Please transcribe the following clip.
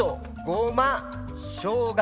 ごましょうが。